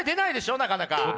なかなか。